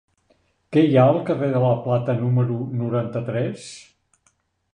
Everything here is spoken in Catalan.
Què hi ha al carrer de la Plata número noranta-tres?